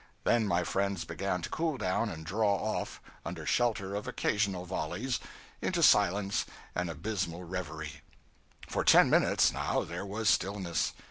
Then my friends began to cool down, and draw off, under shelter of occasional volleys, into silence and abysmal reverie. For ten minutes now, there was stillness.